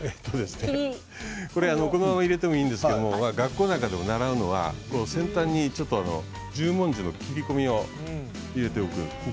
このまま入れてもいいんですが学校なんかでも習うのは先端にちょっと十文字の切り込みを入れておく。